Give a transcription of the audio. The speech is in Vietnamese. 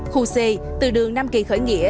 khu c từ đường nam kỳ khởi nghĩa